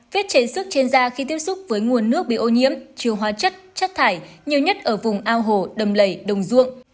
viết chảy xước trên da khi tiếp xúc với nguồn nước bị ô nhiễm chiều hóa chất chất thải nhiều nhất ở vùng ao hồ đầm lầy đồng ruộng